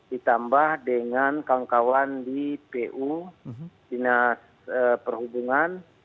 ditambah dengan kawan kawan di pu dinas perhubungan